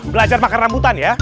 belajar makan rambutan ya